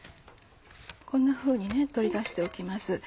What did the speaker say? こんなふうに取り出しておきます。